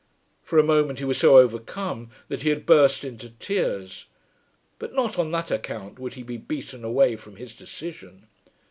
For a moment he was so overcome that he had burst into tears. But not on that account would he be beaten away from his decision.